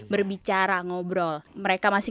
berbicara ngobrol mereka masih